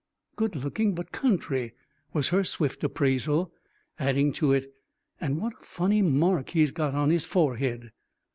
"Good looking, but country," was her swift appraisal, adding to it, "And what a funny mark he's got on his forehead."